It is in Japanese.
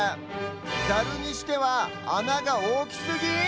ざるにしてはあながおおきすぎ⁉